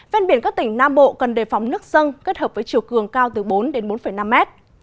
ven biển các tỉnh nam bộ cần đề phóng nước dân kết hợp với chiều cường cao từ bốn đến bốn năm mét